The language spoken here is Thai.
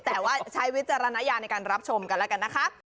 แต่ว่าใช้วิจารณญาณในการรับชมกันแล้วกันนะคะ